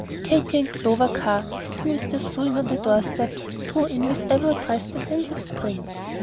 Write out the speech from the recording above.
Katy and Clover Carr, sitting with their sewing on the door steps, drew in with every breath the sense of spring.